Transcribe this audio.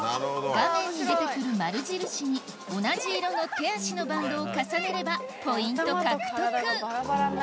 画面に出てくる丸印に同じ色の手足のバンドを重ねればポイント獲得